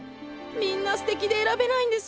みんなすてきで選べないんです。